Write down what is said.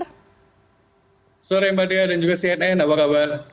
selamat sore mbak dea dan juga cnn apa kabar